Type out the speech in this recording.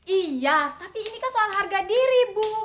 iya tapi ini kan soal harga diri bu